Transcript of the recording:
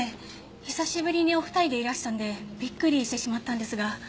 久しぶりにお２人でいらしたんでびっくりしてしまったんですが。